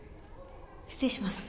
失礼します